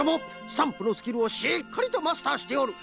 スタンプのスキルをしっかりとマスターしておる。